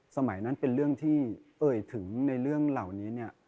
สมัยนั้นเป็นเรื่องที่เอ่ยถึงในเรื่องเหล่านี้เนี่ย